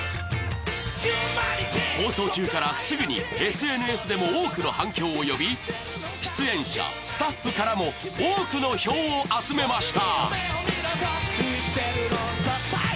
放送中からすぐにＳＮＳでも多くの反響を呼び、出演者、スタッフからも多くの票を集めました。